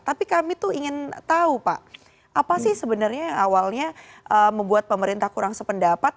tapi kami tuh ingin tahu pak apa sih sebenarnya yang awalnya membuat pemerintah kurang sependapat